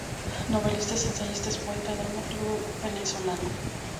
Novelista, ensayista, poeta y dramaturgo venezolano.